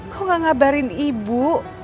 kok gak ngabarin ibu